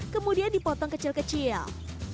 kemudian dipotong kecil kecil